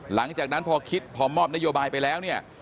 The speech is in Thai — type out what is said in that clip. หลังจากนั้นพอคิดพอมอบนโยบายไปแล้วเนี่ย